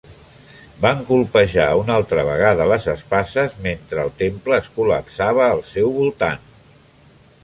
Van colpejar una altra vegada les espases mentre el temple es col·lapsava al seu voltant.